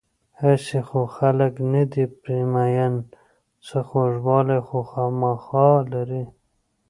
هسې خو خلک نه دي پرې مین، څه خوږوالی خو خوامخا لري.